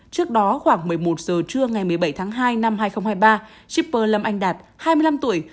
trước đó khoảng một mươi một giờ trưa ngày một mươi bảy tháng hai năm hai nghìn hai mươi ba shipper lâm anh đạt hai mươi năm tuổi